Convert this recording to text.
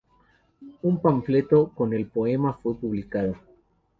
Un panfleto con el poema fue publicado.